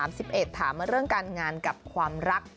ถามมาเรื่องการงานกับความรัก